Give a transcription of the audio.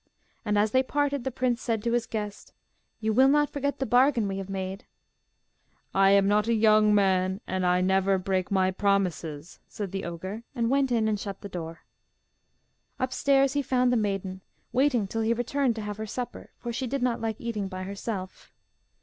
And as they parted, the prince said to his guest, 'You will not forget the bargain we have made?' 'I am not a young man, and never break my promises,' said the ogre, and went in and shut the door. Upstairs he found the maiden, waiting till he returned to have her supper, for she did not like eating by herself.